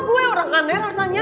gue orang aneh rasanya